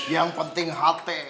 yang penting hati